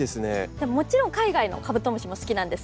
もちろん海外のカブトムシも好きなんですけど。